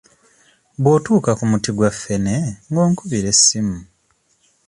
Bw'otuuka ku muti gwa ffene ng'onkubira essimu.